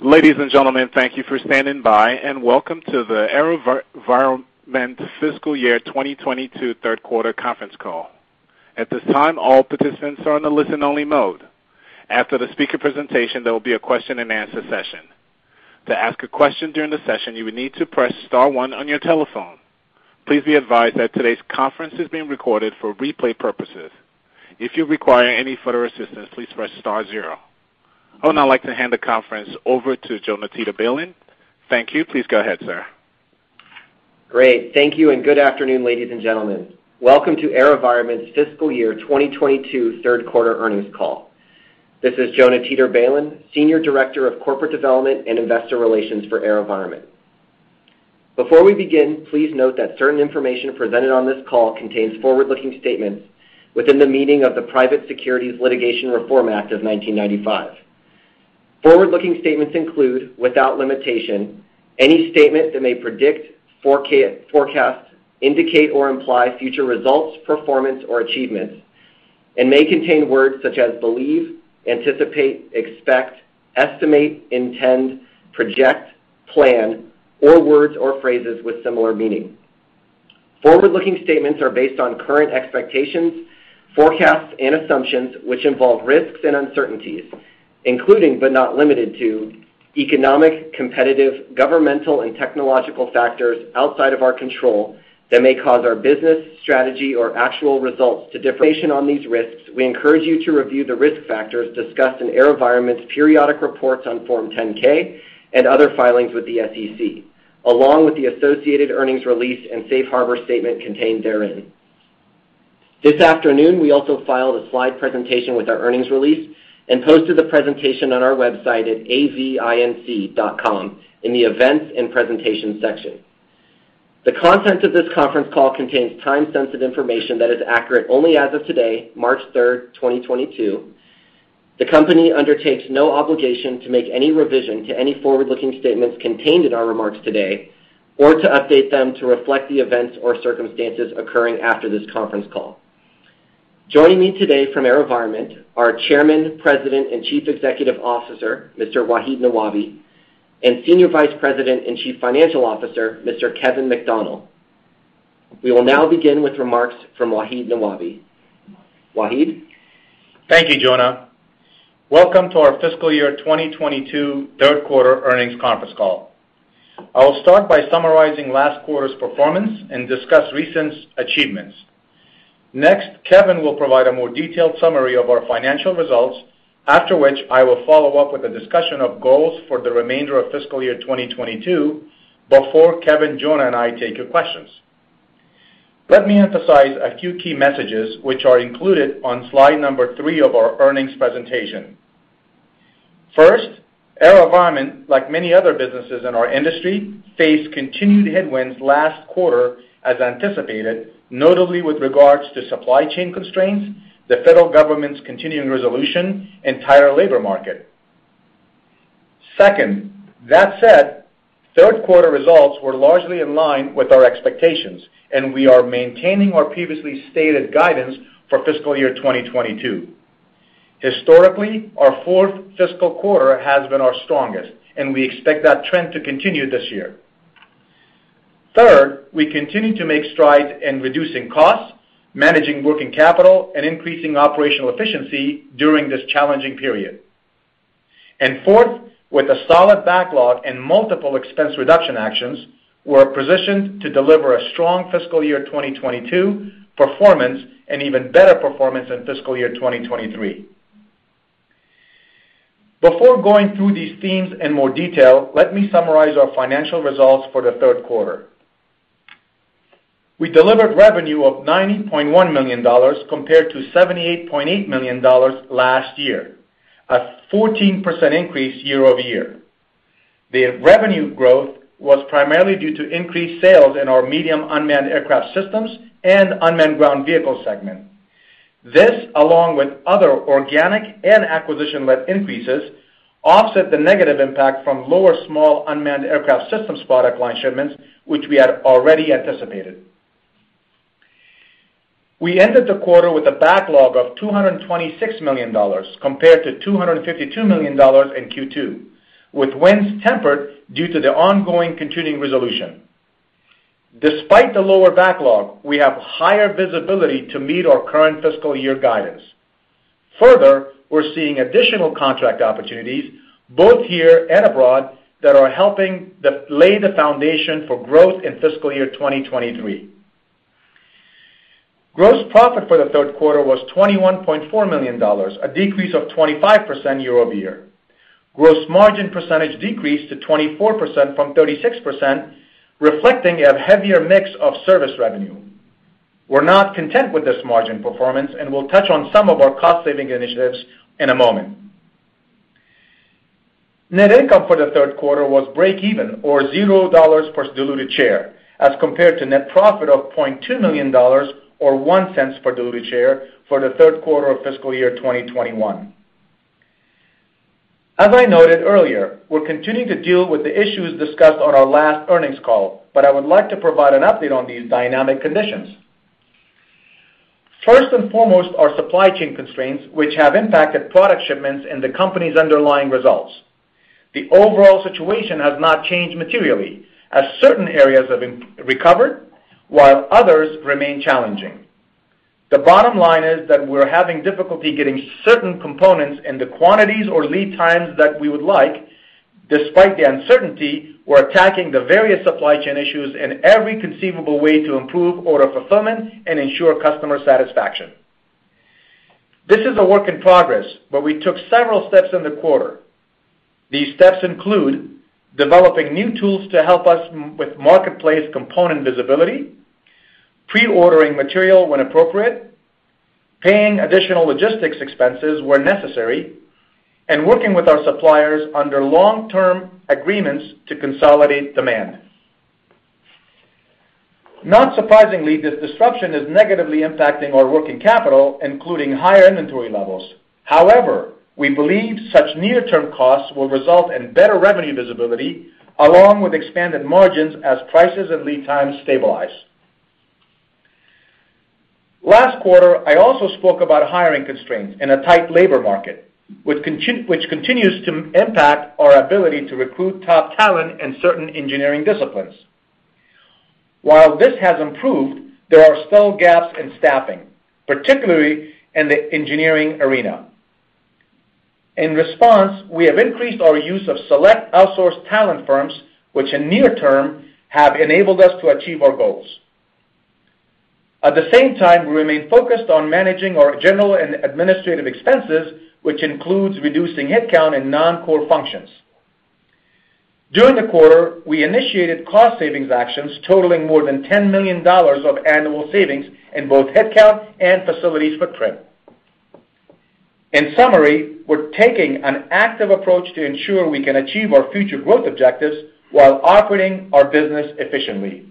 Ladies and gentlemen, thank you for standing by, and welcome to the AeroVironment Fiscal Year 2022 Q3 conference call. At this time, all participants are in a listen-only mode. After the speaker presentation, there will be a question-and-answer session. To ask a question during the session, you will need to press star one on your telephone. Please be advised that today's conference is being recorded for replay purposes. If you require any further assistance, please press star zero. I would now like to hand the conference over to Jonah Teeter-Balin. Thank you. Please go ahead, sir. Great. Thank you, and good afternoon, ladies and gentlemen. Welcome to AeroVironment's Fiscal Year 2022 third quarter earnings call. This is Jonah Teeter-Balin, Senior Director of Corporate Development and Investor Relations for AeroVironment. Before we begin, please note that certain information presented on this call contains forward-looking statements within the meaning of the Private Securities Litigation Reform Act of 1995. Forward-looking statements include, without limitation, any statement that may predict, forecast, indicate, or imply future results, performance, or achievements and may contain words such as believe, anticipate, expect, estimate, intend, project, plan, or words or phrases with similar meaning. Forward-looking statements are based on current expectations, forecasts, and assumptions which involve risks and uncertainties including, but not limited to, economic, competitive, governmental, and technological factors outside of our control that may cause our business strategy or actual results to differ. For information on these risks, we encourage you to review the risk factors discussed in AeroVironment's periodic reports on Form 10-K and other filings with the SEC, along with the associated earnings release and safe harbor statement contained therein. This afternoon, we also filed a slide presentation with our earnings release and posted the presentation on our website at avinc.com in the Events and Presentation section. The content of this conference call contains time-sensitive information that is accurate only as of today, March 3, 2022. The company undertakes no obligation to make any revision to any forward-looking statements contained in our remarks today or to update them to reflect the events or circumstances occurring after this conference call. Joining me today from AeroVironment are Chairman, President, and Chief Executive Officer, Mr. Wahid Nawabi, and Senior Vice President and Chief Financial Officer, Mr. Kevin McDonnell. We will now begin with remarks from Wahid Nawabi. Wahid. Thank you, Jonah. Welcome to our fiscal year 2022 third quarter earnings conference call. I will start by summarizing last quarter's performance and discuss recent achievements. Next, Kevin will provide a more detailed summary of our financial results, after which I will follow up with a discussion of goals for the remainder of fiscal year 2022 before Kevin, Jonah, and I take your questions. Let me emphasize a few key messages which are included on slide number 3 of our earnings presentation. First, AeroVironment, like many other businesses in our industry, faced continued headwinds last quarter as anticipated, notably with regards to supply chain constraints, the federal government's continuing resolution, and tighter labor market. Second, that said, Q3 results were largely in line with our expectations, and we are maintaining our previously stated guidance for fiscal year 2022. Historically, our fourth fiscal quarter has been our strongest, and we expect that trend to continue this year. Third, we continue to make strides in reducing costs, managing working capital, and increasing operational efficiency during this challenging period. Fourth, with a solid backlog and multiple expense reduction actions, we're positioned to deliver a strong fiscal year 2022 performance and even better performance in fiscal year 2023. Before going through these themes in more detail, let me summarize our financial results for the third quarter. We delivered revenue of $90.1 million compared to $78.8 million last year, a 14% increase year-over-year. The revenue growth was primarily due to increased sales in our Medium Unmanned Aircraft Systems and Unmanned Ground Vehicle segment. This, along with other organic and acquisition-led increases, offset the negative impact from lower small unmanned aircraft systems product line shipments, which we had already anticipated. We ended the quarter with a backlog of $226 million compared to $252 million in Q2, with wins tempered due to the ongoing continuing resolution. Despite the lower backlog, we have higher visibility to meet our current fiscal year guidance. Further, we're seeing additional contract opportunities both here and abroad that are helping to lay the foundation for growth in fiscal year 2023. Gross profit for the Q3 was $21.4 million, a decrease of 25% year-over-year. Gross margin percentage decreased to 24% from 36%, reflecting a heavier mix of service revenue. We're not content with this margin performance, and we'll touch on some of our cost-saving initiatives in a moment. Net income for the Q3 was break even or $0 per diluted share as compared to net profit of $0.2 million or $0.01 per diluted share for the third quarter of fiscal year 2021. As I noted earlier, we're continuing to deal with the issues discussed on our last earnings call, but I would like to provide an update on these dynamic conditions. First and foremost are supply chain constraints which have impacted product shipments and the company's underlying results. The overall situation has not changed materially as certain areas have recovered while others remain challenging. The bottom line is that we're having difficulty getting certain components in the quantities or lead times that we would like. Despite the uncertainty, we're attacking the various supply chain issues in every conceivable way to improve order fulfillment and ensure customer satisfaction. This is a work in progress, but we took several steps in the quarter. These steps include developing new tools to help us with marketplace component visibility, pre-ordering material when appropriate, paying additional logistics expenses where necessary, and working with our suppliers under long-term agreements to consolidate demand. Not surprisingly, this disruption is negatively impacting our working capital, including higher inventory levels. However, we believe such near-term costs will result in better revenue visibility along with expanded margins as prices and lead times stabilize. Last quarter, I also spoke about hiring constraints in a tight labor market, which continues to impact our ability to recruit top talent in certain engineering disciplines. While this has improved, there are still gaps in staffing, particularly in the engineering arena. In response, we have increased our use of select outsourced talent firms which in near term have enabled us to achieve our goals. At the same time, we remain focused on managing our general and administrative expenses, which includes reducing headcount and non-core functions. During the quarter, we initiated cost savings actions totaling more than $10 million of annual savings in both headcount and facilities footprint. In summary, we're taking an active approach to ensure we can achieve our future growth objectives while operating our business efficiently.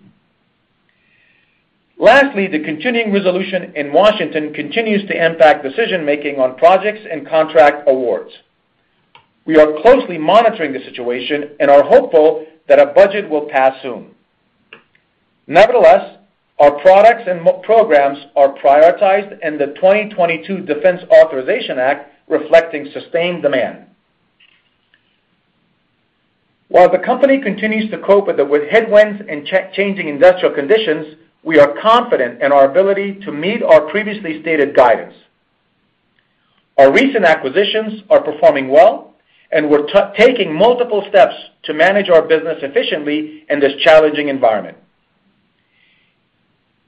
Lastly, the continuing resolution in Washington continues to impact decision-making on projects and contract awards. We are closely monitoring the situation and are hopeful that a budget will pass soon. Nevertheless, our products and programs are prioritized in the 2022 Defense Authorization Act, reflecting sustained demand. While the company continues to cope with headwinds and changing industrial conditions, we are confident in our ability to meet our previously stated guidance. Our recent acquisitions are performing well, and we're taking multiple steps to manage our business efficiently in this challenging environment.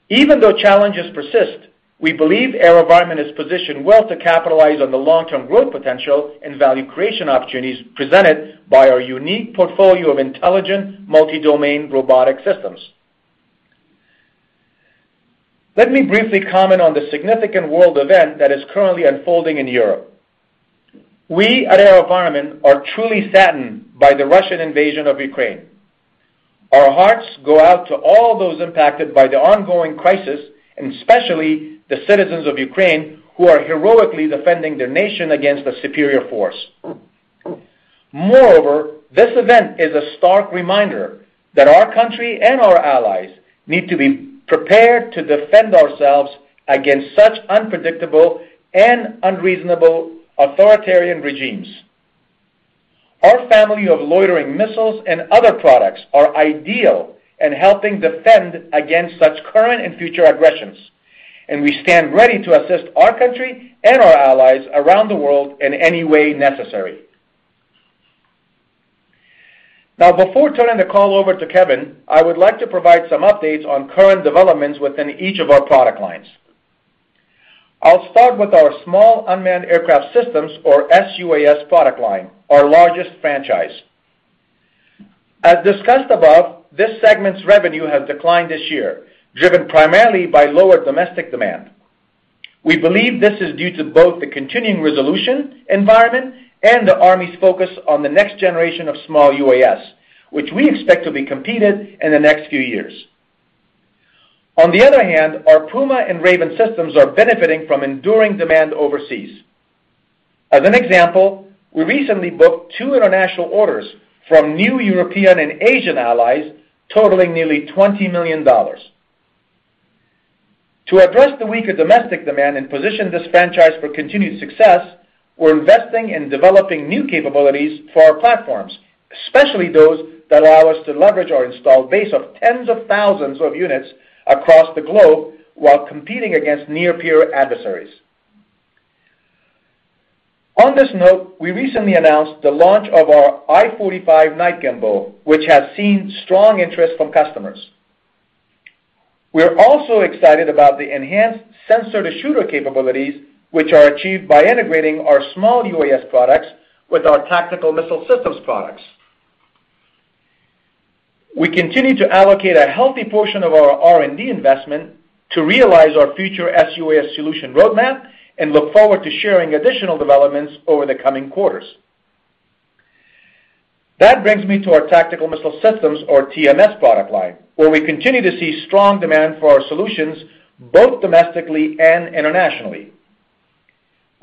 Even though challenges persist, we believe AeroVironment is positioned well to capitalize on the long-term growth potential and value creation opportunities presented by our unique portfolio of intelligent multi-domain robotic systems. Let me briefly comment on the significant world event that is currently unfolding in Europe. We at AeroVironment are truly saddened by the Russian invasion of Ukraine. Our hearts go out to all those impacted by the ongoing crisis, and especially the citizens of Ukraine, who are heroically defending their nation against a superior force. Moreover, this event is a stark reminder that our country and our allies need to be prepared to defend ourselves against such unpredictable and unreasonable authoritarian regimes. Our family of loitering missiles and other products are ideal in helping defend against such current and future aggressions, and we stand ready to assist our country and our allies around the world in any way necessary. Now, before turning the call over to Kevin, I would like to provide some updates on current developments within each of our product lines. I'll start with our small unmanned aircraft systems, or sUAS product line, our largest franchise. As discussed above, this segment's revenue has declined this year, driven primarily by lower domestic demand. We believe this is due to both the continuing resolution environment and the Army's focus on the next generation of small UAS, which we expect to be competed in the next few years. Our Puma and Raven systems are benefiting from enduring demand overseas. As an example, we recently booked two international orders from new European and Asian allies totaling nearly $20 million. To address the weaker domestic demand and position this franchise for continued success, we're investing in developing new capabilities for our platforms, especially those that allow us to leverage our installed base of tens of thousands of units across the globe while competing against near peer adversaries. On this note, we recently announced the launch of our Mantis i45 N, which has seen strong interest from customers. We're also excited about the enhanced sensor-to-shooter capabilities, which are achieved by integrating our small UAS products with our tactical missile systems products. We continue to allocate a healthy portion of our R&D investment to realize our future sUAS solution roadmap and look forward to sharing additional developments over the coming quarters. That brings me to our tactical missile systems or TMS product line, where we continue to see strong demand for our solutions both domestically and internationally.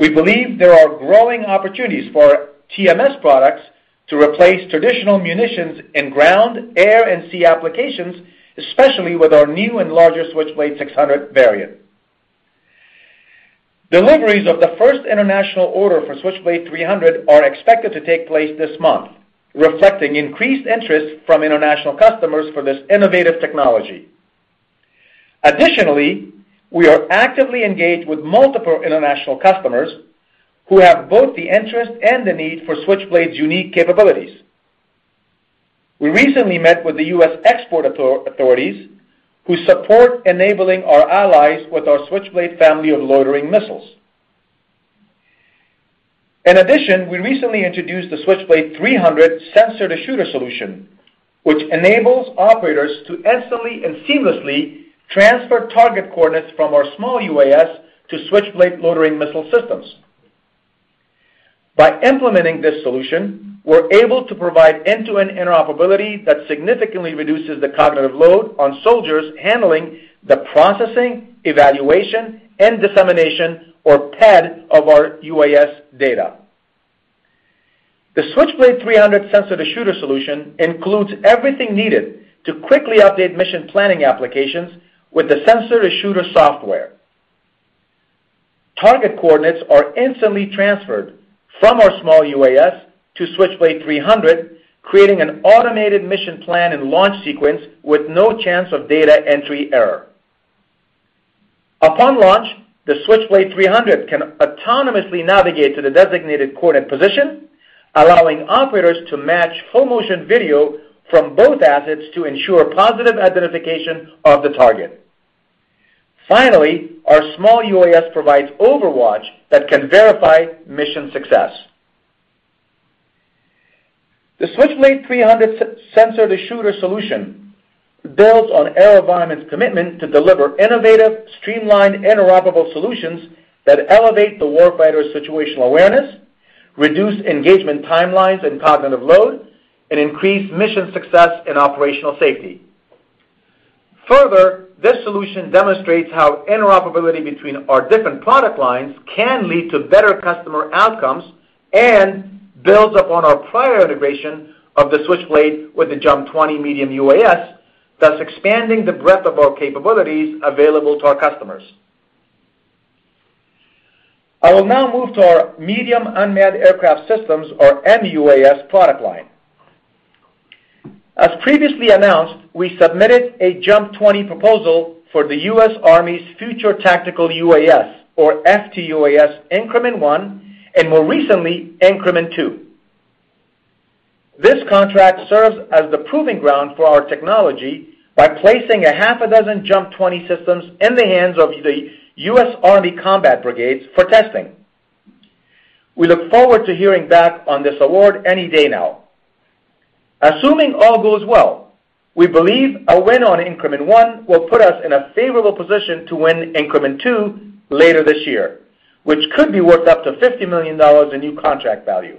We believe there are growing opportunities for TMS products to replace traditional munitions in ground, air, and sea applications, especially with our new and larger Switchblade 600 variant. Deliveries of the first international order for Switchblade 300 are expected to take place this month, reflecting increased interest from international customers for this innovative technology. Additionally, we are actively engaged with multiple international customers who have both the interest and the need for Switchblade's unique capabilities. We recently met with the U.S. export authorities who support enabling our allies with our Switchblade family of loitering missiles. In addition, we recently introduced the Switchblade 300 sensor-to-shooter solution, which enables operators to instantly and seamlessly transfer target coordinates from our small UAS to Switchblade loitering missile systems. By implementing this solution, we're able to provide end-to-end interoperability that significantly reduces the cognitive load on soldiers handling the processing, exploitation, and dissemination or PED of our UAS data. The Switchblade 300 sensor-to-shooter solution includes everything needed to quickly update mission planning applications with the sensor-to-shooter software. Target coordinates are instantly transferred from our small UAS to Switchblade 300, creating an automated mission plan and launch sequence with no chance of data entry error. Upon launch, the Switchblade 300 can autonomously navigate to the designated coordinate position, allowing operators to match full motion video from both assets to ensure positive identification of the target. Finally, our small UAS provides overwatch that can verify mission success. The Switchblade 300 sensor-to-shooter solution builds on AeroVironment's commitment to deliver innovative, streamlined, interoperable solutions that elevate the warfighter's situational awareness, reduce engagement timelines and cognitive load, and increase mission success and operational safety. Further, this solution demonstrates how interoperability between our different product lines can lead to better customer outcomes and builds upon our prior integration of the Switchblade with the JUMP 20 medium UAS, thus expanding the breadth of our capabilities available to our customers. I will now move to our medium unmanned aircraft systems or MUAS product line. As previously announced, we submitted a JUMP 20 proposal for the U.S. Army's Future Tactical UAS or FTUAS Increment One, and more recently Increment Two. This contract serves as the proving ground for our technology by placing a half a dozen JUMP 20 systems in the hands of the U.S. Army combat brigades for testing. We look forward to hearing back on this award any day now. Assuming all goes well, we believe a win on Increment One will put us in a favorable position to win Increment Two later this year, which could be worth up to $50 million in new contract value.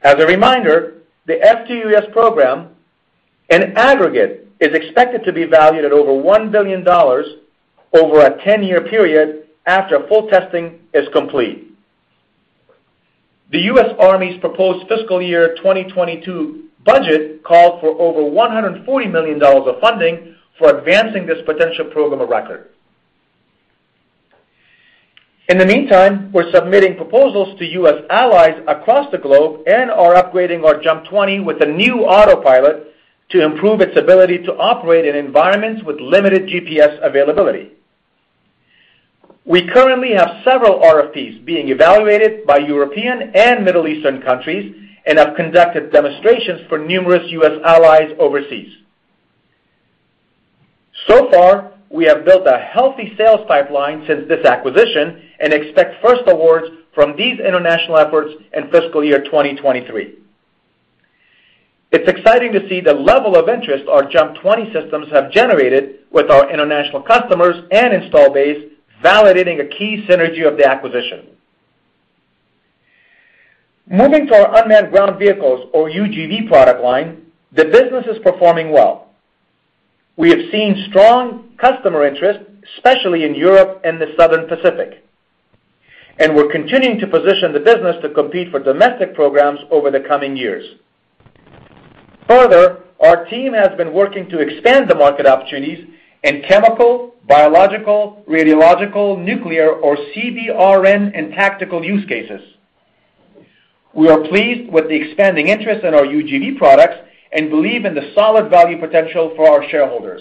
As a reminder, the FTUAS program in aggregate is expected to be valued at over $1 billion over a 10-year period after full testing is complete. The U.S. Army's proposed fiscal year 2022 budget called for over $140 million of funding for advancing this potential program of record. In the meantime, we're submitting proposals to U.S. allies across the globe and are upgrading our Jump Twenty with a new autopilot to improve its ability to operate in environments with limited GPS availability. We currently have several RFPs being evaluated by European and Middle Eastern countries and have conducted demonstrations for numerous U.S. allies overseas. So far, we have built a healthy sales pipeline since this acquisition and expect first awards from these international efforts in fiscal year 2023. It's exciting to see the level of interest our Jump 20 systems have generated with our international customers and installed base validating a key synergy of the acquisition. Moving to our unmanned ground vehicles or UGV product line, the business is performing well. We have seen strong customer interest, especially in Europe and the South Pacific. We're continuing to position the business to compete for domestic programs over the coming years. Further, our team has been working to expand the market opportunities in chemical, biological, radiological, nuclear or CBRN in tactical use cases. We are pleased with the expanding interest in our UGV products and believe in the solid value potential for our shareholders.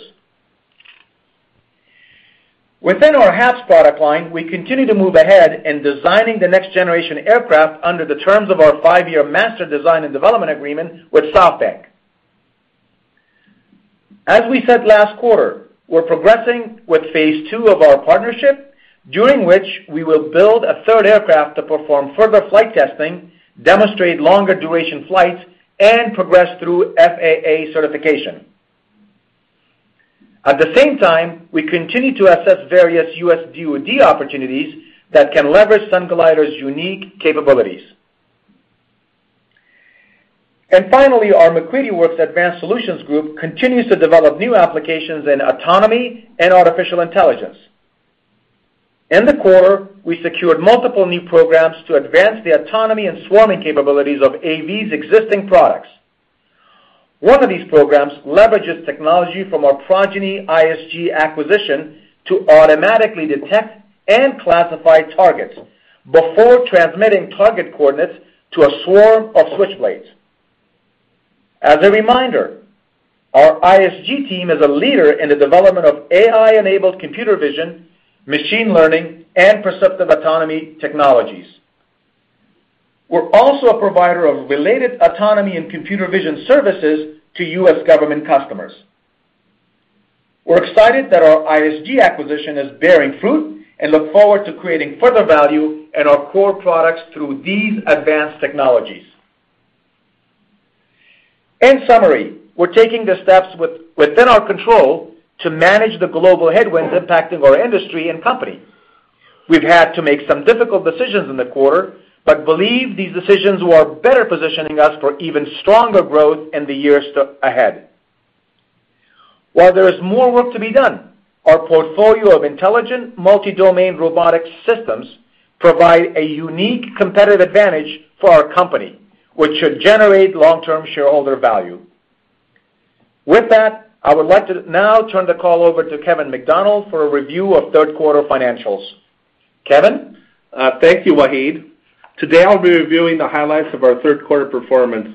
Within our HAPS product line, we continue to move ahead in designing the next generation aircraft under the terms of our five-year master design and development agreement with SoftBank. As we said last quarter, we're progressing with Phase II of our partnership, during which we will build a third aircraft to perform further flight testing, demonstrate longer duration flights, and progress through FAA certification. At the same time, we continue to assess various U.S. DOD opportunities that can leverage Sunglider's unique capabilities. Finally, our MacCready Works Advanced Solutions Group continues to develop new applications in autonomy and artificial intelligence. In the quarter, we secured multiple new programs to advance the autonomy and swarming capabilities of AV existing products. One of these programs leverages technology from our Progeny ISG acquisition to automatically detect and classify targets before transmitting target coordinates to a swarm of Switchblades. As a reminder, our ISG team is a leader in the development of AI-enabled computer vision, machine learning, and perceptive autonomy technologies. We're also a provider of related autonomy and computer vision services to U.S. government customers. We're excited that our ISG acquisition is bearing fruit and look forward to creating further value in our core products through these advanced technologies. In summary, we're taking the steps within our control to manage the global headwinds impacting our industry and company. We've had to make some difficult decisions in the quarter, but believe these decisions were better positioning us for even stronger growth in the years ahead. While there is more work to be done, our portfolio of intelligent multi-domain robotic systems provide a unique competitive advantage for our company, which should generate long-term shareholder value. With that, I would like to now turn the call over to Kevin McDonnell for a review of third-quarter financials. Kevin? Thank you, Wahid. Today, I'll be reviewing the highlights of our Q3 performance,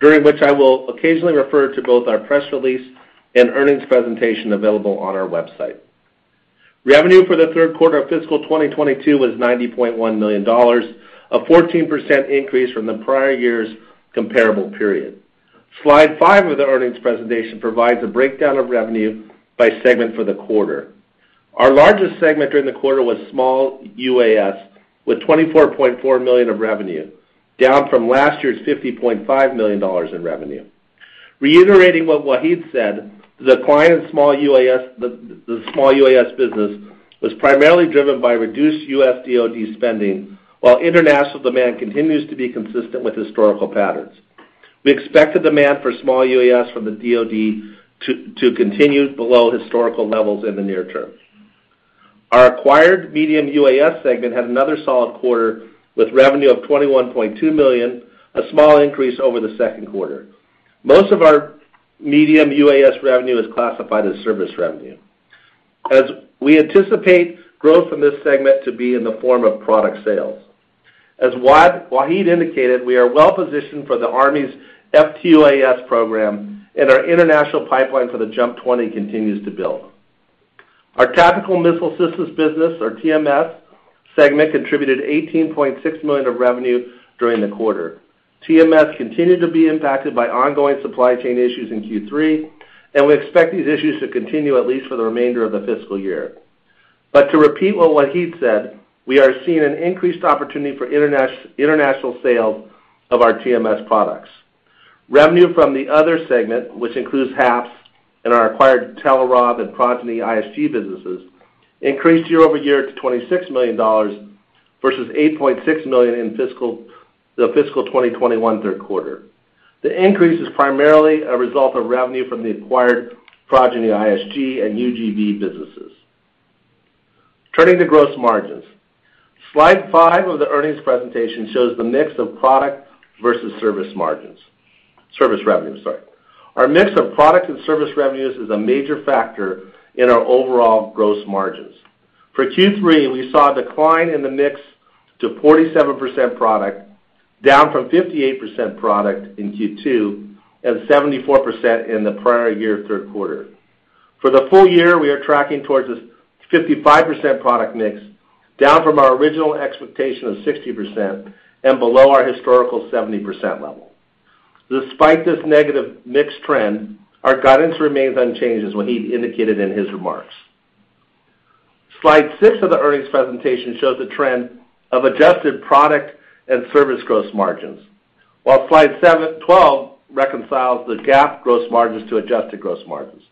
during which I will occasionally refer to both our press release and earnings presentation available on our website. Revenue for the Q3 of fiscal 2022 was $90.1 million, a 14% increase from the prior year's comparable period. Slide 5 of the earnings presentation provides a breakdown of revenue by segment for the quarter. Our largest segment during the quarter was small UAS, with $24.4 million of revenue, down from last year's $50.5 million in revenue. Reiterating what Wahid said, the small UAS business was primarily driven by reduced U.S. DoD spending, while international demand continues to be consistent with historical patterns. We expect the demand for small UAS from the DoD to continue below historical levels in the near term. Our acquired medium UAS segment had another solid quarter, with revenue of $21.2 million, a small increase over the Q2. Most of our medium UAS revenue is classified as service revenue. As we anticipate growth in this segment to be in the form of product sales. As Wahid indicated, we are well-positioned for the Army's FTUAS program, and our international pipeline for the JUMP 20 continues to build. Our Tactical Missile Systems business, or TMS segment, contributed $18.6 million of revenue during the quarter. TMS continued to be impacted by ongoing supply chain issues in Q3, and we expect these issues to continue at least for the remainder of the fiscal year. To repeat what Wahid said, we are seeing an increased opportunity for international sales of our TMS products. Revenue from the other segment, which includes HAPS and our acquired Telerob and Progeny ISG businesses, increased year-over-year to $26 million versus $8.6 million in fiscal 2021 Q3. The increase is primarily a result of revenue from the acquired Progeny ISG and UGV businesses. Turning to gross margins. Slide 5 of the earnings presentation shows the mix of product versus service margins. Our mix of product and service revenues is a major factor in our overall gross margins. For Q3, we saw a decline in the mix to 47% product, down from 58% product in Q2 and 74% in the prior year Q3. For the full year, we are tracking towards a 55% product mix, down from our original expectation of 60% and below our historical 70% level. Despite this negative mix trend, our guidance remains unchanged, as Wahid indicated in his remarks. Slide 6 of the earnings presentation shows the trend of adjusted product and service gross margins, while slide 7 to 12 reconciles the GAAP gross margins to adjusted gross margins,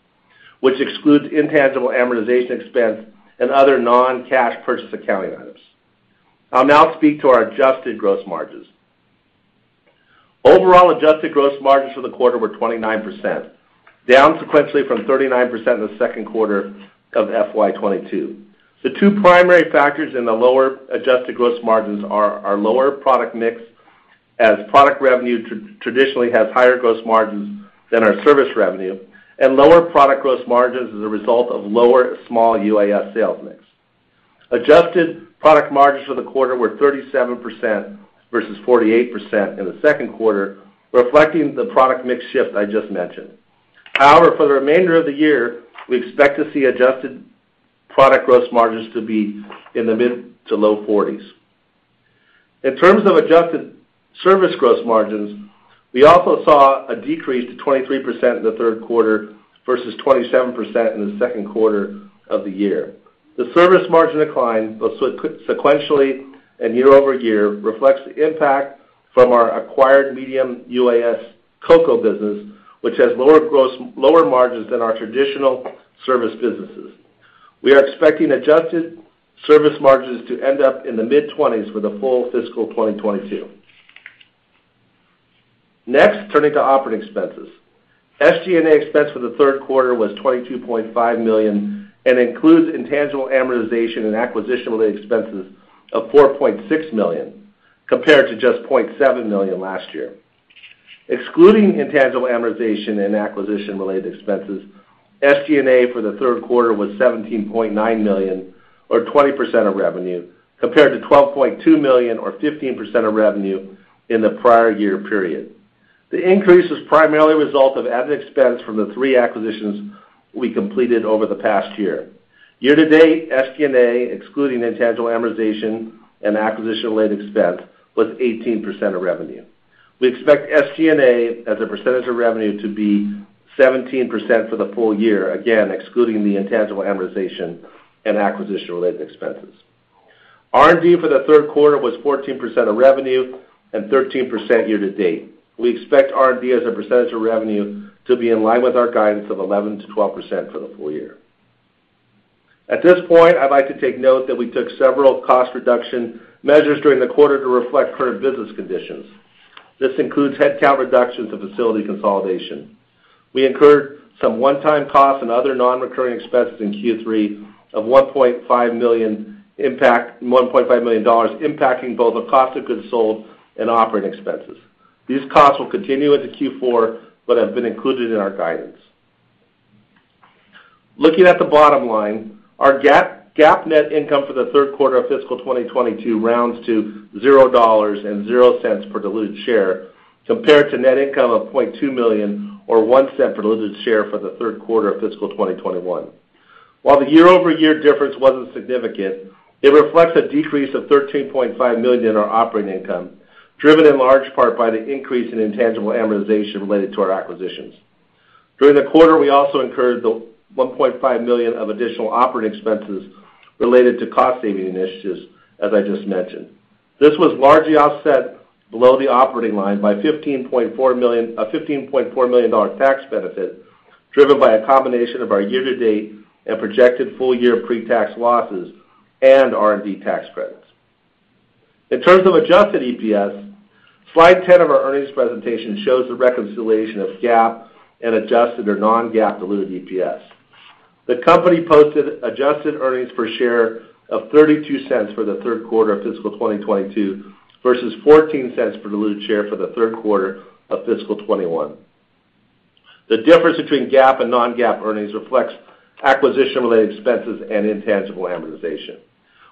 which excludes intangible amortization expense and other non-cash purchase accounting items. I'll now speak to our adjusted gross margins. Overall adjusted gross margins for the quarter were 29%, down sequentially from 39% in the Q2 of FY 2022. The two primary factors in the lower adjusted gross margins are our lower product mix, as product revenue traditionally has higher gross margins than our service revenue, and lower product gross margins as a result of lower small UAS sales mix. Adjusted product margins for the quarter were 37% versus 48% in the Q2, reflecting the product mix shift I just mentioned. However, for the remainder of the year, we expect to see adjusted product gross margins to be in the mid- to low-40s%. In terms of adjusted service gross margins, we also saw a decrease to 23% in the Q3 versus 27% in the Q2 of the year. The service margin decline, both sequentially and year-over-year, reflects the impact from our acquired medium UAS COCO business, which has lower margins than our traditional service businesses. We are expecting adjusted service margins to end up in the mid-20s% for the full fiscal 2022. Next, turning to operating expenses. SG&A expense for the Q3 was $22.5 million, and includes intangible amortization and acquisition-related expenses of $4.6 million, compared to just $0.7 million last year. Excluding intangible amortization and acquisition-related expenses, SG&A for the the Q3 was $17.9 million or 20% of revenue, compared to $12.2 million or 15% of revenue in the prior year period. The increase is primarily a result of added expense from the three acquisitions we completed over the past year. Year-to-date, SG&A, excluding intangible amortization and acquisition-related expense, was 18% of revenue. We expect SG&A as a percentage of revenue to be 17% for the full year, again, excluding the intangible amortization and acquisition-related expenses. R&D for the Q3 was 14% of revenue and 13% year-to-date. We expect R&D as a percentage of revenue to be in line with our guidance of 11%-12% for the full year. At this point, I'd like to take note that we took several cost reduction measures during the quarter to reflect current business conditions. This includes headcount reductions and facility consolidation. We incurred some one-time costs and other non-recurring expenses in Q3 of $1.5 million dollars impacting both the cost of goods sold and operating expenses. These costs will continue into Q4, but have been included in our guidance. Looking at the bottom line, our GAAP net income for the Q3 of fiscal 2022 rounds to $0.00 per diluted share, compared to net income of $0.2 million or $0.01 per diluted share for the Q3 of fiscal 2021. While the year-over-year difference wasn't significant, it reflects a decrease of $13.5 million in our operating income, driven in large part by the increase in intangible amortization related to our acquisitions. During the quarter, we also incurred the $1.5 million of additional operating expenses related to cost-saving initiatives, as I just mentioned. This was largely offset below the operating line by $15.4 million, a $15.4 million tax benefit driven by a combination of our year-to-date and projected full-year pre-tax losses and R&D tax credits. In terms of adjusted EPS, slide 10 of our earnings presentation shows the reconciliation of GAAP and adjusted or non-GAAP diluted EPS. The company posted adjusted earnings per share of $0.32 for the Q3 of fiscal 2022 versus $0.14 per diluted share for the Q3 of fiscal 2021. The difference between GAAP and non-GAAP earnings reflects acquisition-related expenses and intangible amortization.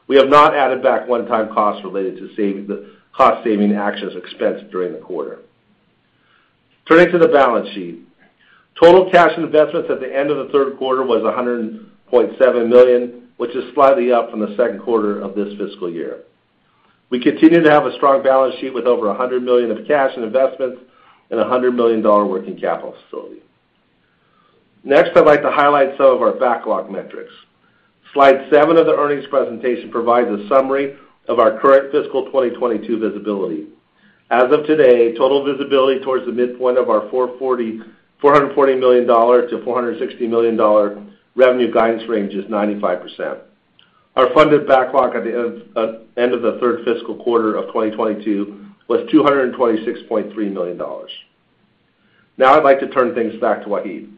We have not added back one-time costs related to cost-saving actions expensed during the quarter. Turning to the balance sheet. Total cash and investments at the end of the Q3 was $100.7 million, which is slightly up from the Q2 of this fiscal year. We continue to have a strong balance sheet with over $100 million of cash and investments and a $100 million working capital facility. Next, I'd like to highlight some of our backlog metrics. Slide seven of the earnings presentation provides a summary of our current fiscal 2022 visibility. As of today, total visibility towards the midpoint of our $440 million-$460 million revenue guidance range is 95%. Our funded backlog at the end of the third fiscal quarter of 2022 was $226.3 million. Now I'd like to turn things back to Wahid.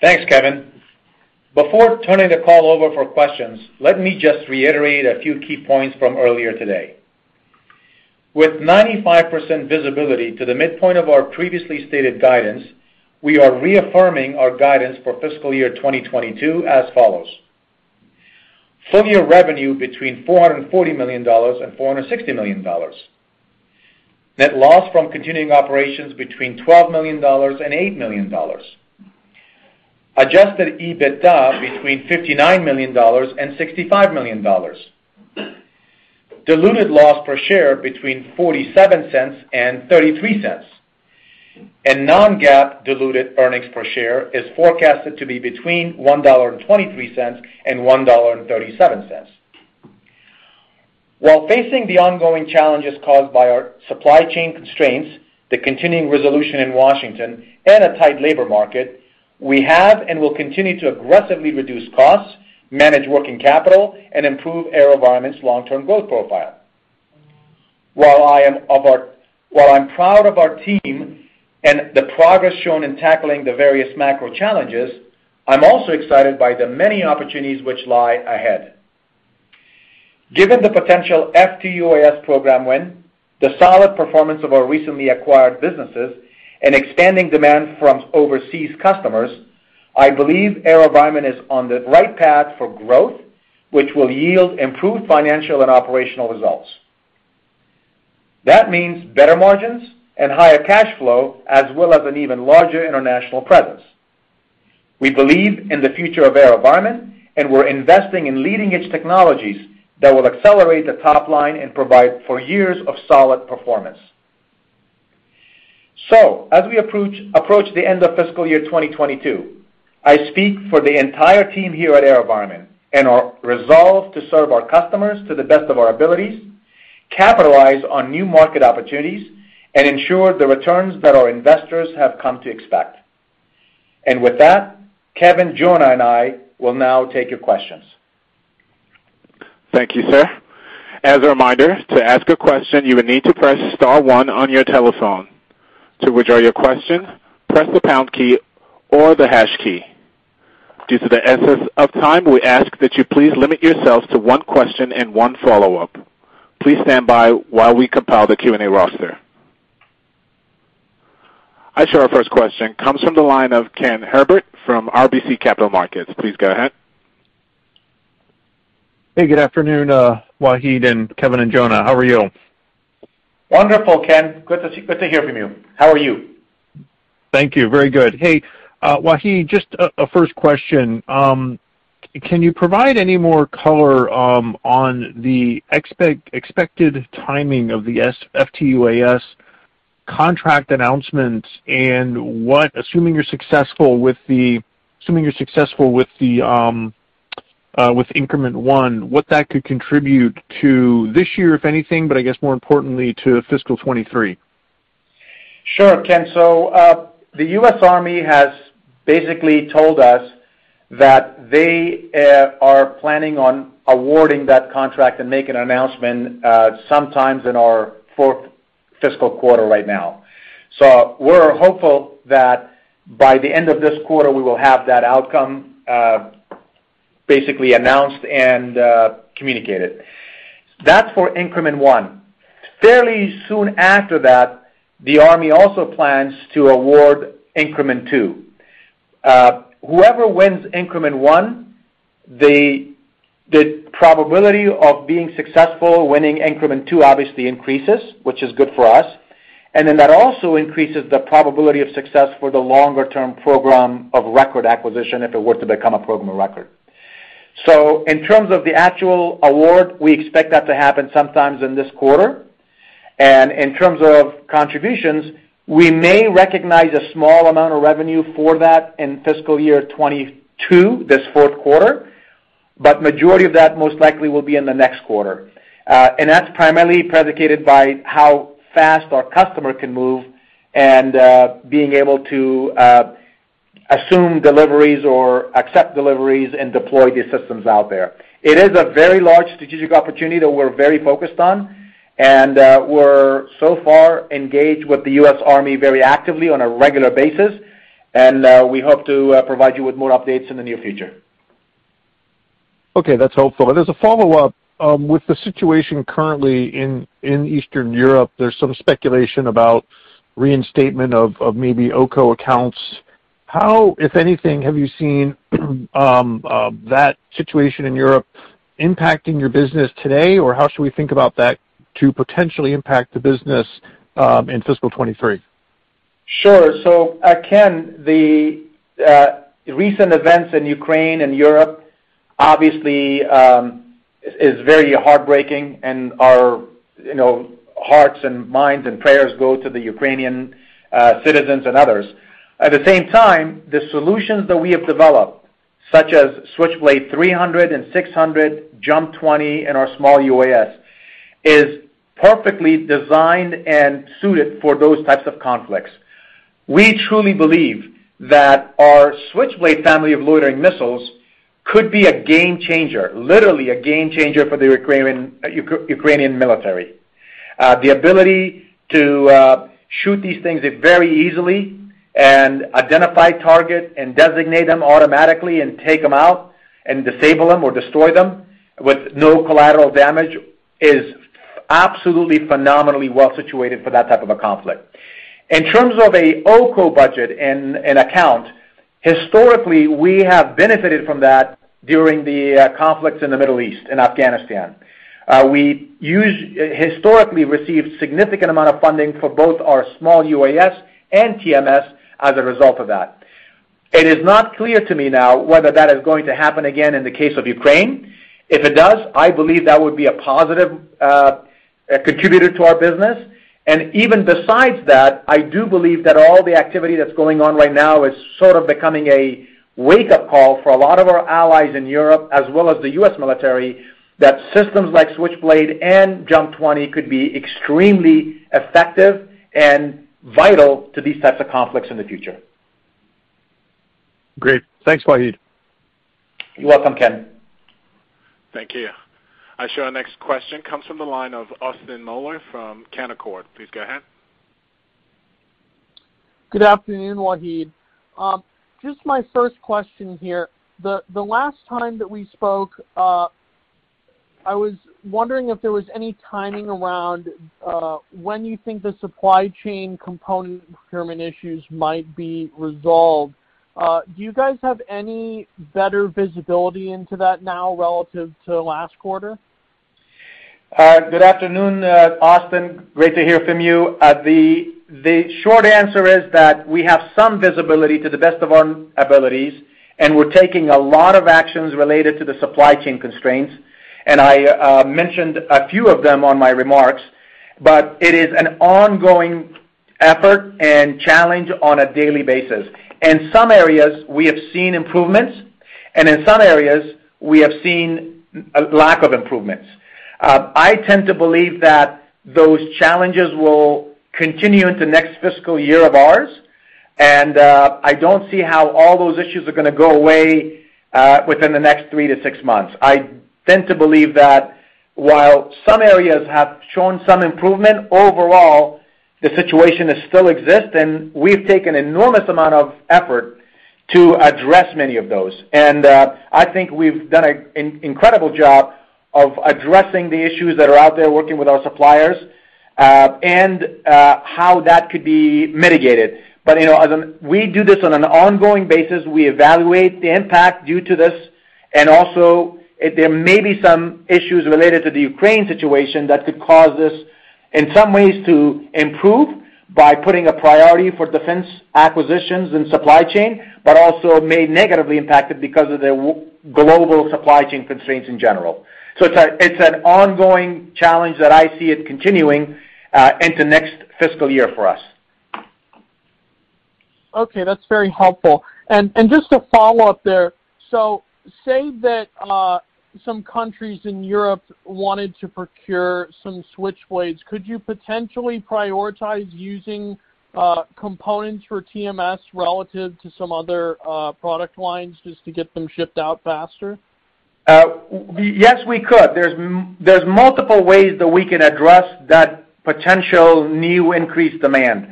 Thanks, Kevin. Before turning the call over for questions, let me just reiterate a few key points from earlier today. With 95% visibility to the midpoint of our previously stated guidance, we are reaffirming our guidance for fiscal year 2022 as follows: Full year revenue between $440 million and $460 million. Net loss from continuing operations between $12 million and $8 million. Adjusted EBITDA between $59 million and $65 million. Diluted loss per share between $0.47 and $0.33. non-GAAP diluted earnings per share is forecasted to be between $1.23 and $1.37. While facing the ongoing challenges caused by our supply chain constraints, the continuing resolution in Washington, and a tight labor market, we have and will continue to aggressively reduce costs, manage working capital, and improve AeroVironment's long-term growth profile. While I'm proud of our team and the progress shown in tackling the various macro challenges, I'm also excited by the many opportunities which lie ahead. Given the potential FTUAS program win, the solid performance of our recently acquired businesses, and expanding demand from overseas customers, I believe AeroVironment is on the right path for growth, which will yield improved financial and operational results. That means better margins and higher cash flow, as well as an even larger international presence. We believe in the future of AeroVironment, and we're investing in leading-edge technologies that will accelerate the top line and provide for years of solid performance. As we approach the end of fiscal year 2022, I speak for the entire team here at AeroVironment and our resolve to serve our customers to the best of our abilities. Capitalize on new market opportunities and ensure the returns that our investors have come to expect. With that, Kevin, Jonah, and I will now take your questions. Thank you, sir. As a reminder, to ask a question, you will need to press star one on your telephone. To withdraw your question, press the pound key or the hash key. Due to the shortness of time, we ask that you please limit yourselves to one question and one follow-up. Please stand by while we compile the Q&A roster. I show our first question comes from the line of Ken Herbert from RBC Capital Markets. Please go ahead. Hey, good afternoon, Wahid and Kevin and Jonah. How are you? Wonderful, Ken. Good to hear from you. How are you? Thank you. Very good. Hey, Wahid, just a first question. Can you provide any more color on the expected timing of the FTUAS contract announcement and what, assuming you're successful with the increment one, what that could contribute to this year, if anything, but I guess more importantly to fiscal 2023. Sure, Ken. The U.S. Army has basically told us that they are planning on awarding that contract and making an announcement sometimes in our fourth fiscal quarter right now. We're hopeful that by the end of this quarter, we will have that outcome basically announced and communicated. That's for increment one. Fairly soon after that, the Army also plans to award increment two. Whoever wins increment one, the probability of being successful winning increment two obviously increases, which is good for us. That also increases the probability of success for the longer-term program of record acquisition if it were to become a program of record. In terms of the actual award, we expect that to happen sometimes in this quarter. In terms of contributions, we may recognize a small amount of revenue for that in fiscal year 2022, this Q4, but majority of that most likely will be in the next quarter. That's primarily predicated by how fast our customer can move and being able to assume deliveries or accept deliveries and deploy these systems out there. It is a very large strategic opportunity that we're very focused on, and we're so far engaged with the U.S. Army very actively on a regular basis. We hope to provide you with more updates in the near future. Okay. That's helpful. As a follow-up, with the situation currently in Eastern Europe, there's some speculation about reinstatement of maybe OCO accounts. How, if anything, have you seen that situation in Europe impacting your business today, or how should we think about that to potentially impact the business in fiscal 2023? Sure. Ken, the recent events in Ukraine and Europe obviously is very heartbreaking and our hearts and minds and prayers go to the Ukrainian citizens and others. At the same time, the solutions that we have developed, such as Switchblade 300 and 600, JUMP 20, and our small UAS, is perfectly designed and suited for those types of conflicts. We truly believe that our Switchblade family of loitering missiles could be a game changer, literally a game changer for the Ukrainian military. The ability to shoot these things very easily and identify target and designate them automatically and take them out and disable them or destroy them with no collateral damage is absolutely phenomenally well-situated for that type of a conflict. In terms of a OCO budget and account, historically, we have benefited from that during the conflicts in the Middle East, in Afghanistan. We historically received significant amount of funding for both our small UAS and TMS as a result of that. It is not clear to me now whether that is going to happen again in the case of Ukraine. If it does, I believe that would be a positive contributor to our business. Even besides that, I do believe that all the activity that's going on right now is sort of becoming a wake-up call for a lot of our allies in Europe as well as the U.S. military, that systems like Switchblade and JUMP 20 could be extremely effective and vital to these types of conflicts in the future. Great. Thanks, Wahid. You're welcome, Ken. Thank you. I show our next question comes from the line of Austin Moeller from Canaccord. Please go ahead. Good afternoon, Wahid. Just my first question here. The last time that we spoke, I was wondering if there was any timing around when you think the supply chain component procurement issues might be resolved. Do you guys have any better visibility into that now relative to last quarter? Good afternoon, Austin. Great to hear from you. The short answer is that we have some visibility to the best of our abilities, and we're taking a lot of actions related to the supply chain constraints. I mentioned a few of them in my remarks. It is an ongoing effort and challenge on a daily basis. In some areas, we have seen improvements, and in some areas, we have seen a lack of improvements. I tend to believe that those challenges will continue into next fiscal year of ours, and I don't see how all those issues are gonna go away within the next 3-6 months. I tend to believe that while some areas have shown some improvement, overall, the situation still exists, and we've taken enormous amount of effort to address many of those. I think we've done an incredible job of addressing the issues that are out there working with our suppliers, and how that could be mitigated. You know, we do this on an ongoing basis. We evaluate the impact due to this. Also, there may be some issues related to the Ukraine situation that could cause this, in some ways, to improve by putting a priority for defense acquisitions and supply chain, but also may negatively impact it because of the global supply chain constraints in general. It's an ongoing challenge that I see it continuing into next fiscal year for us. Okay, that's very helpful. Just a follow-up there. Say that some countries in Europe wanted to procure some Switchblades, could you potentially prioritize using components for TMS relative to some other product lines just to get them shipped out faster? Yes, we could. There's multiple ways that we can address that potential new increased demand.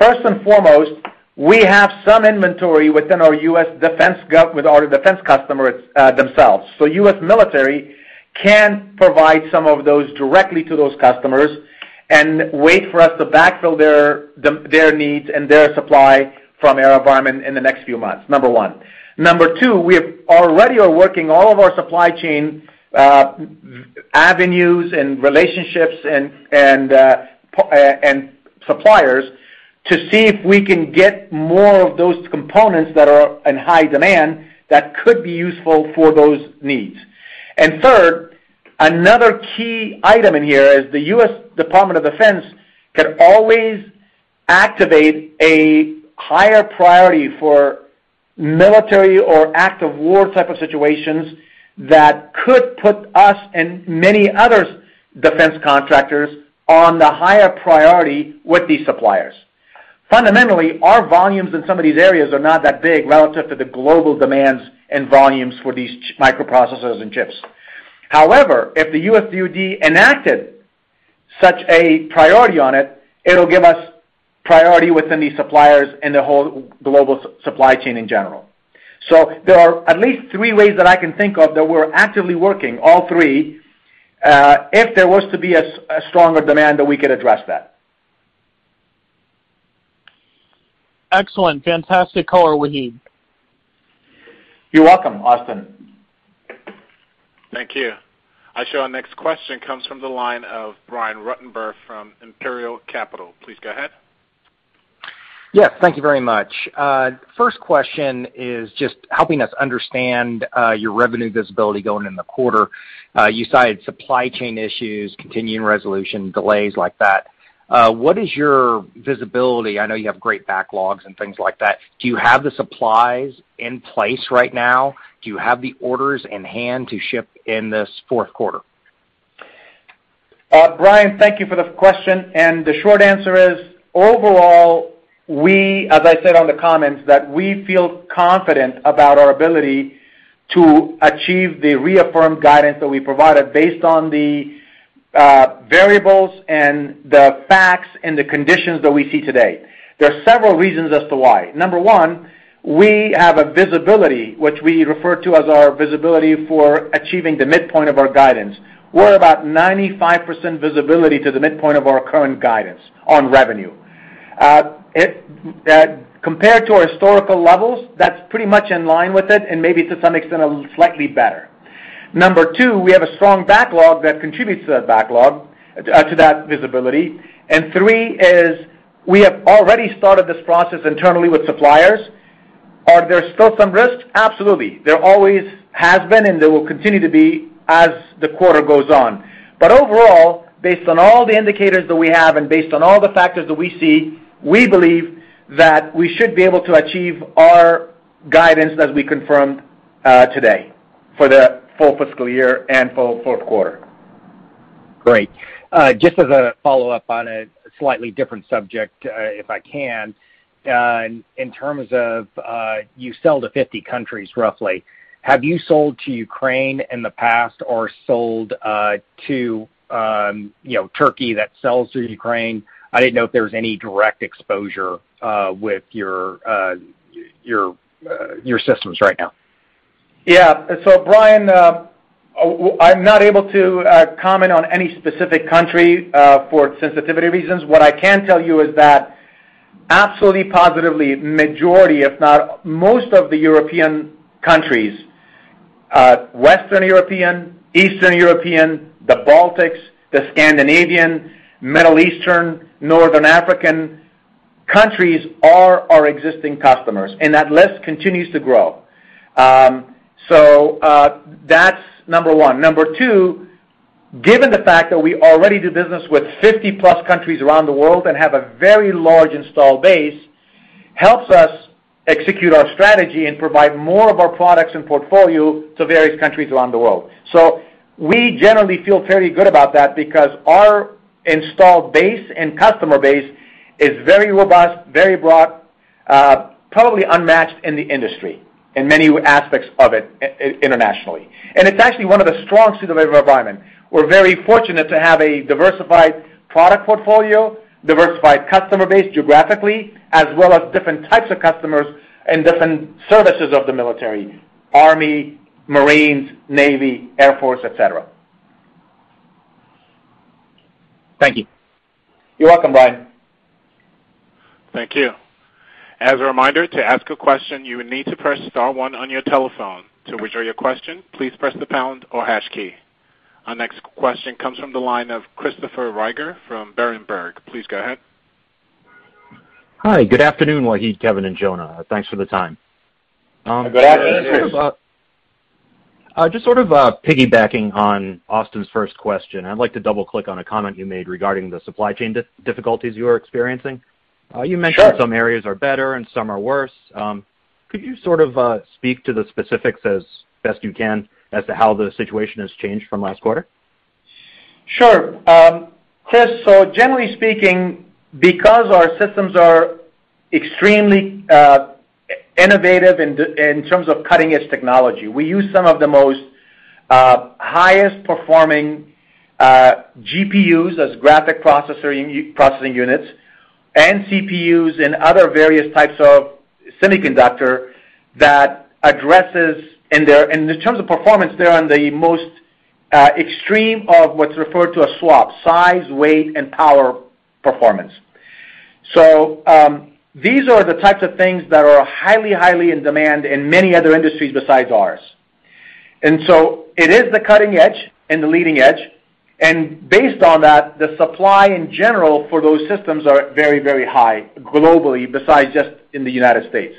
First and foremost, we have some inventory within our U.S. defense with our defense customer, themselves. So U.S. military can provide some of those directly to those customers and wait for us to backfill their needs and their supply from AeroVironment in the next few months, number one. Number two, we have already are working all of our supply chain avenues and relationships and suppliers to see if we can get more of those components that are in high demand that could be useful for those needs. Third, another key item in here is the U.S. Department of Defense can always activate a higher priority for military or active war type of situations that could put us and many other defense contractors on the higher priority with these suppliers. Fundamentally, our volumes in some of these areas are not that big relative to the global demands and volumes for these microprocessors and chips. However, if the U.S. DOD enacted such a priority on it'll give us priority within these suppliers and the whole global supply chain in general. There are at least three ways that I can think of that we're actively working, all three, if there was to be a stronger demand that we could address that. Excellent. Fantastic color, Wahid. You're welcome, Austin. Thank you. Our next question comes from the line of Brian Ruttenbur from Imperial Capital. Please go ahead. Yes, thank you very much. First question is just helping us understand your revenue visibility going in the quarter. You cited supply chain issues, continuing resolution, delays like that. What is your visibility? I know you have great backlogs and things like that. Do you have the supplies in place right now? Do you have the orders in hand to ship in this fourth quarter? Brian, thank you for the question. The short answer is, overall, we, as I said on the comments, that we feel confident about our ability to achieve the reaffirmed guidance that we provided based on the variables and the facts and the conditions that we see today. There are several reasons as to why. Number one, we have a visibility, which we refer to as our visibility for achieving the midpoint of our guidance. We're about 95% visibility to the midpoint of our current guidance on revenue. Compared to our historical levels, that's pretty much in line with it and maybe to some extent, slightly better. Number two, we have a strong backlog that contributes to that backlog to that visibility. Three is we have already started this process internally with suppliers. Are there still some risks? Absolutely. There always has been, and there will continue to be as the quarter goes on. Overall, based on all the indicators that we have and based on all the factors that we see, we believe that we should be able to achieve our guidance as we confirmed today for the full fiscal year and full Q4. Great. Just as a follow-up on a slightly different subject, if I can. In terms of, you sell to 50 countries, roughly. Have you sold to Ukraine in the past or sold to Turkey that sells to Ukraine? I didn't know if there was any direct exposure with your systems right now. Yeah. Brian, I'm not able to comment on any specific country for sensitivity reasons. What I can tell you is that absolutely, positively majority, if not most of the European countries, Western European, Eastern European, the Baltics, the Scandinavian, Middle Eastern, Northern African countries are our existing customers, and that list continues to grow. That's number one. Number two, given the fact that we already do business with 50+ countries around the world and have a very large installed base, helps us execute our strategy and provide more of our products and portfolio to various countries around the world. We generally feel very good about that because our installed base and customer base is very robust, very broad, probably unmatched in the industry in many aspects of it internationally. It's actually one of the strong suits of AeroVironment. We're very fortunate to have a diversified product portfolio, diversified customer base geographically, as well as different types of customers and different services of the military, Army, Marines, Navy, Air Force, et cetera. Thank you. You're welcome, Brian. Thank you. Our next question comes from the line of Christopher Rieger from Berenberg. Please go ahead. Hi. Good afternoon, Wahid, Kevin, and Jonah. Thanks for the time. Good afternoon. Just sort of piggybacking on Austin's first question, I'd like to double-click on a comment you made regarding the supply chain difficulties you are experiencing. Sure. You mentioned some areas are better and some are worse. Could you sort of speak to the specifics as best you can as to how the situation has changed from last quarter? Sure. Chris, generally speaking, because our systems are extremely innovative in terms of cutting-edge technology, we use some of the most highest performing GPUs as graphic processing units and CPUs and other various types of semiconductor that addresses in their-- In terms of performance, they're on the most extreme of what's referred to as SWaP, size, weight, and power performance. These are the types of things that are highly in demand in many other industries besides ours. It is the cutting edge and the leading edge, and based on that, the supply in general for those systems are very high globally besides just in the United States.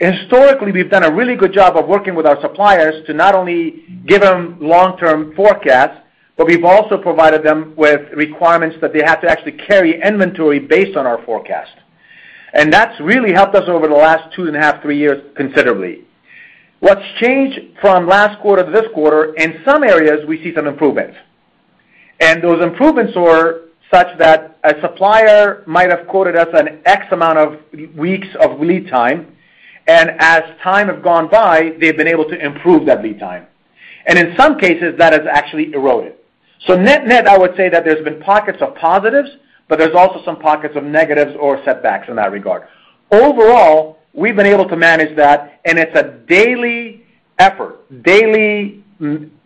Historically, we've done a really good job of working with our suppliers to not only give them long-term forecasts, but we've also provided them with requirements that they have to actually carry inventory based on our forecast. That's really helped us over the last two and a half to three years considerably. What's changed from last quarter to this quarter, in some areas, we see some improvements. Those improvements were such that a supplier might have quoted us an X amount of weeks of lead time, and as time have gone by, they've been able to improve that lead time. In some cases, that has actually eroded. Net-net, I would say that there's been pockets of positives, but there's also some pockets of negatives or setbacks in that regard. Overall, we've been able to manage that, and it's a daily effort, daily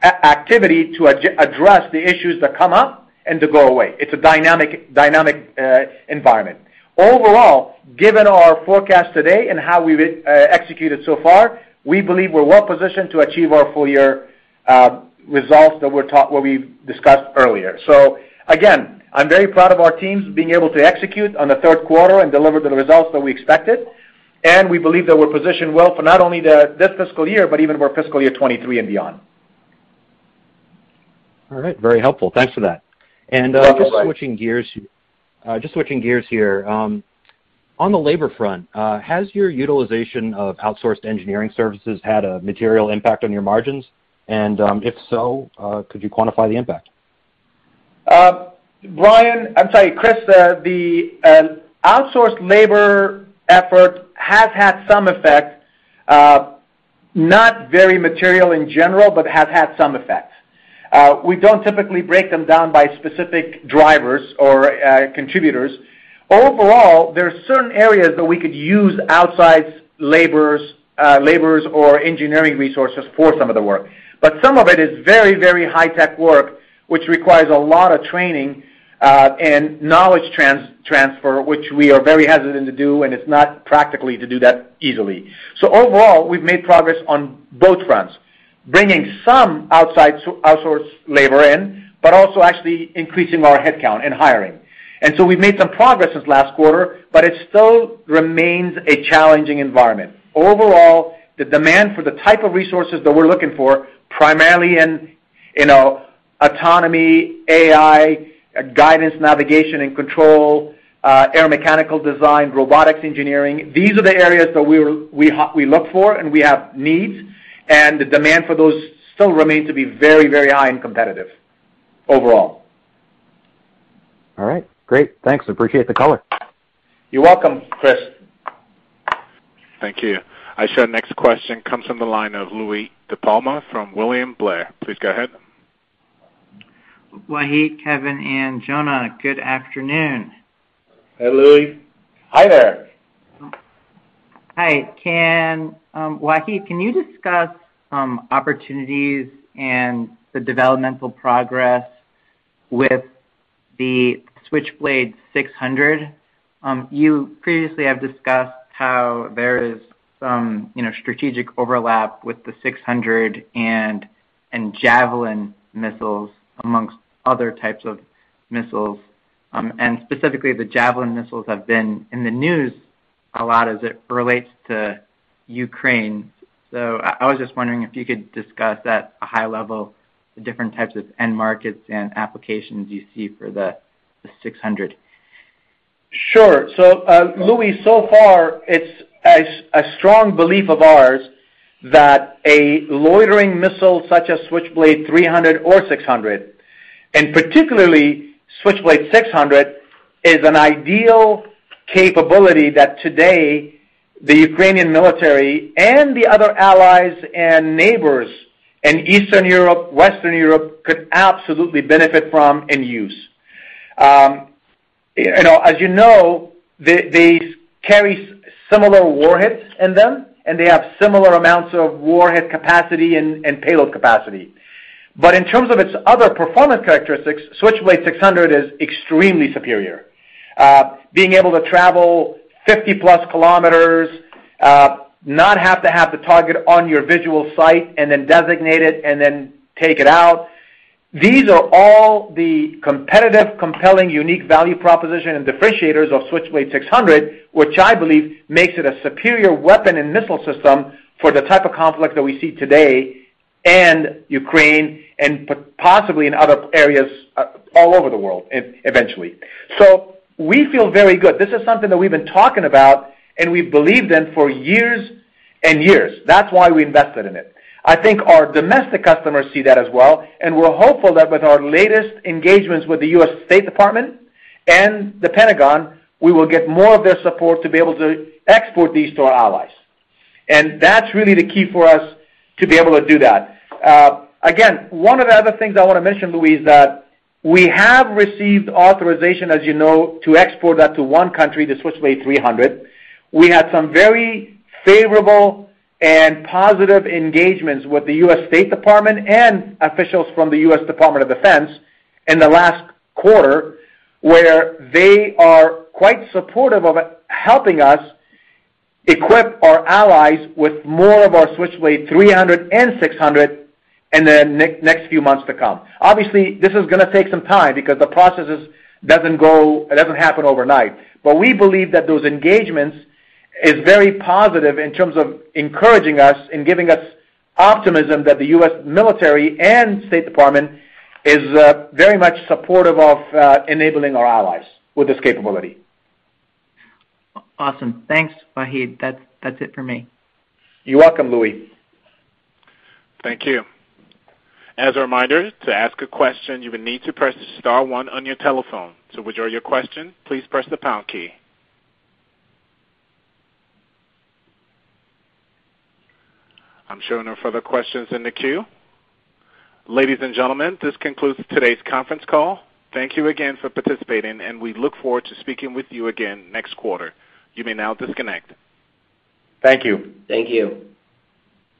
activity to address the issues that come up and to go away. It's a dynamic environment. Overall, given our forecast today and how we've executed so far, we believe we're well positioned to achieve our full year results that we're targeting, what we've discussed earlier. Again, I'm very proud of our teams being able to execute on the third quarter and deliver the results that we expected. We believe that we're positioned well for not only this fiscal year, but even more fiscal year 2023 and beyond. All right. Very helpful. Thanks for that. Thank you, Brian. Just switching gears here. On the labor front, has your utilization of outsourced engineering services had a material impact on your margins? If so, could you quantify the impact? Brian, I'm sorry, Chris, the outsourced labor effort has had some effect, not very material in general, but has had some effect. We don't typically break them down by specific drivers or contributors. Overall, there are certain areas that we could use outside labors, laborers or engineering resources for some of the work. But some of it is very high tech work, which requires a lot of training and knowledge transfer, which we are very hesitant to do, and it's not practical to do that easily. Overall, we've made progress on both fronts, bringing some outside outsourced labor in, but also actually increasing our headcount and hiring. We've made some progress since last quarter, but it still remains a challenging environment. Overall, the demand for the type of resources that we're looking for, primarily in, autonomy, AI, guidance, navigation and control, air mechanical design, robotics engineering, these are the areas that we look for and we have needs, and the demand for those still remains to be very, very high and competitive overall. All right. Great. Thanks. I appreciate the color. You're welcome, Chris. Thank you. I show next question comes from the line of Louie DiPalma from William Blair. Please go ahead. Wahid, Kevin, and Jonah, good afternoon. Hi, Louie. Hi there. Hi. Wahid, can you discuss some opportunities and the developmental progress with the Switchblade 600? You previously have discussed how there is some strategic overlap with the 600 and Javelin missiles amongst other types of missiles, and specifically the Javelin missiles have been in the news a lot as it relates to Ukraine. I was just wondering if you could discuss at a high level the different types of end markets and applications you see for the 600. Sure. Louie, so far it's a strong belief of ours that a loitering missile such as Switchblade 300 or 600, and particularly Switchblade 600, is an ideal capability that today the Ukrainian military and the other allies and neighbors in Eastern Europe, Western Europe could absolutely benefit from and use. You know, as you know, they carry similar warheads in them, and they have similar amounts of warhead capacity and payload capacity. In terms of its other performance characteristics, Switchblade 600 is extremely superior. Being able to travel 50+ km, not have to have the target in your line of sight and then designate it and then take it out. These are all the competitive, compelling, unique value proposition and differentiators of Switchblade 600, which I believe makes it a superior weapon and missile system for the type of conflict that we see today in Ukraine and possibly in other areas, all over the world eventually. We feel very good. This is something that we've been talking about, and we've believed in for years and years. That's why we invested in it. I think our domestic customers see that as well, and we're hopeful that with our latest engagements with the U.S. State Department and the Pentagon, we will get more of their support to be able to export these to our allies. That's really the key for us to be able to do that. Again, one of the other things I wanna mention, Louis, is that we have received authorization, as you know, to export that to one country, the Switchblade 300. We had some very favorable and positive engagements with the U.S. State Department and officials from the U.S. Department of Defense in the last quarter, where they are quite supportive of helping us equip our allies with more of our Switchblade 300 and 600 in the next few months to come. Obviously, this is gonna take some time because the process doesn't happen overnight. But we believe that those engagements is very positive in terms of encouraging us and giving us optimism that the U.S. military and State Department is very much supportive of enabling our allies with this capability. Awesome. Thanks, Wahid. That's it for me. You're welcome, Louie. Thank you. As a reminder, to ask a question, you will need to press star one on your telephone. To withdraw your question, please press the pound key. I'm showing no further questions in the queue. Ladies and gentlemen, this concludes today's conference call. Thank you again for participating, and we look forward to speaking with you again next quarter. You may now disconnect. Thank you. Thank you.